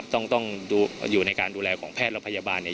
ต้องอยู่ในการดูแลของแพทย์และพยาบาลเนี่ย